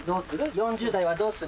４０代はどうする？